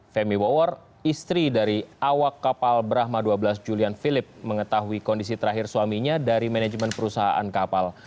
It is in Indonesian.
femi wawor istri dari awak kapal brahma dua belas julian philip mengetahui kondisi terakhir suaminya dari manajemen perusahaan kapal